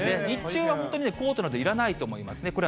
日中は本当にね、コートなど、いらないと思いますね。